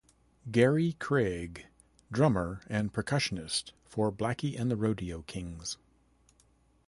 Gary Craig: Drummer and percussionist for Blackie and the Rodeo Kings.